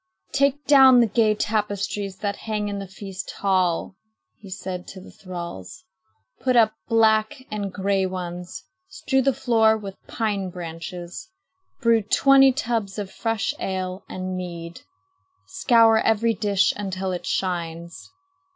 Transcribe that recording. "Take down the gay tapestries that hang in the feast hall," he said to the thralls. "Put up black and gray ones. Strew the floor with pine branches. Brew twenty tubs of fresh ale and mead. Scour every dish until it shines."